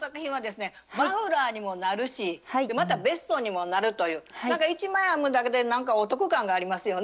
マフラーにもなるしまたベストにもなるというなんか１枚編むだけでお得感がありますよね。